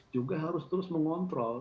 juga harus terus mengontrol